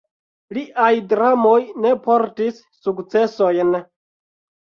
Liaj dramoj ne portis sukcesojn.